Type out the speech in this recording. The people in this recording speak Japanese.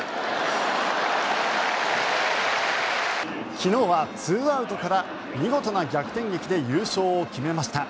昨日は２アウトから見事な逆転劇で優勝を決めました。